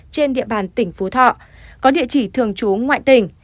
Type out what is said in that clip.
trên địa bàn tỉnh phú thọ có địa chỉ thường trú ngoại tỉnh